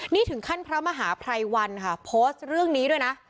นี่ถึงขั้นพระมหาภัยวันค่ะโพสต์เรื่องนี้ด้วยนะ